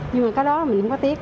nhưng mà cái đó mình không có tiếc